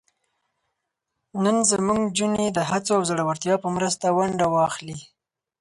نن زموږ نجونې د هڅو او زړورتیا په مرسته ونډه واخلي.